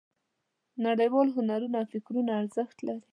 نړیوال هنرونه او فکرونه ارزښت لري.